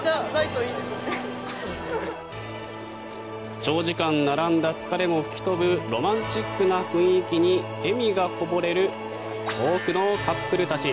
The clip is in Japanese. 長時間並んだ疲れも吹き飛ぶロマンチックな雰囲気に笑みがこぼれる多くのカップルたち。